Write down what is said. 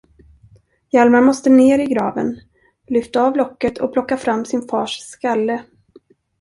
Hjalmar måste ner i graven, lyfta av locket och plocka fram sin fars skalle.